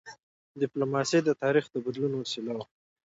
ډيپلوماسي د تاریخ د بدلون وسیله وه.